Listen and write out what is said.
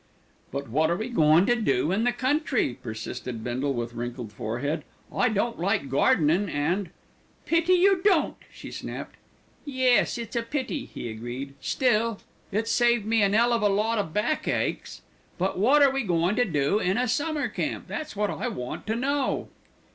"But wot are we goin' to do in the country?" persisted Bindle with wrinkled forehead. "I don't like gardenin', an' " "Pity you don't," she snapped. "Yes, it's a pity," he agreed; "still, it's saved me an 'ell of a lot o' back aches. But wot are we goin' to do in a summer camp, that's wot I want to know."